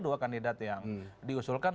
dua kandidat yang diusulkan